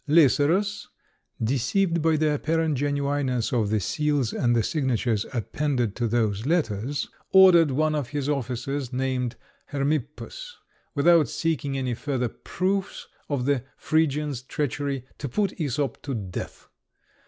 Lycerus, deceived by the apparent genuineness of the seals and signatures appended to those letters, ordered one of his officers, named Hermippus, without seeking any further proofs of the Phrygian's treachery, to put Æsop to death.